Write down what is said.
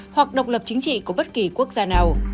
hoặc độc lập chính trị của bất kỳ quốc gia nào